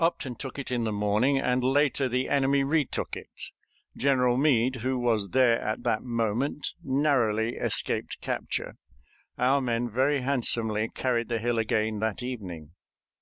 Upton took it in the morning, and later the enemy retook it. General Meade, who was there at that moment, narrowly escaped capture. Our men very handsomely carried the hill again that evening.